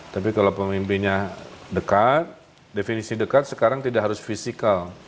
tapi kalau pemimpinnya dekat definisi dekat sekarang tidak harus fisikal